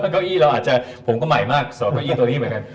เก้าอี้เราอาจจะผมก็ใหม่มากสอนเก้าอี้ตัวนี้เหมือนกัน